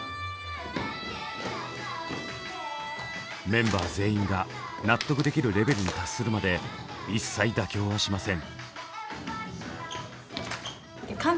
メンバー全員が納得できるレベルに達するまで一切妥協はしません。